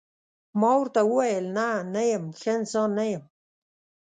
ما ورته وویل: نه، نه یم، زه ښه انسان نه یم.